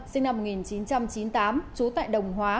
sinh năm một nghìn chín trăm chín mươi tám trú tại đồng hóa